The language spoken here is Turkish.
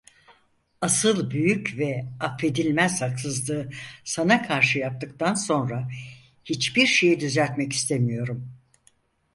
Asıl büyük ve affedilmez haksızlığı sana karşı yaptıktan sonra, hiçbir şeyi düzeltmek istemiyorum.